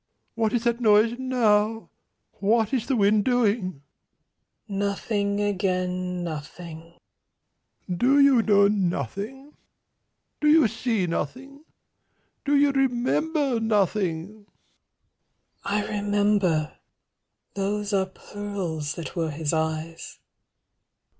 "What is that noise now? What is the wind doing?" Nothing again nothing. 120 "Do "You know nothing? Do you see nothing? Do you remember "Nothing?" I remember Those are pearls that were his eyes.